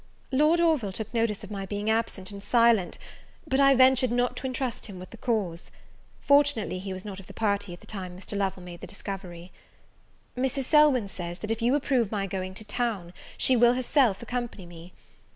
Lord Orville took notice of my being absent and silent; but I ventured not to intrust him with the cause. Fortunately, he was not of the party at the time Mr. Lovel made the discovery. Mrs. Selwyn says, that if you approve my going to town, she will herself accompany me.